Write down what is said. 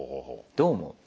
どう思う？